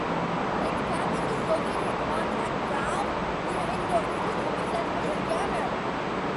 Its campus is located on at Rau, near Indore.